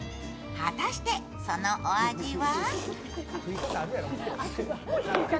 果たして、そのお味は？